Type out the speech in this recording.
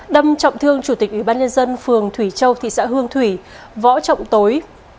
đâm trọng thương chủ tịch ủy ban nhân dân phường thủy châu thị xã hương thủy võ trọng tối